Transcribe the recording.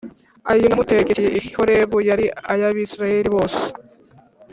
ayo namutegekeye i Horebu yari ay’Abisirayeli bose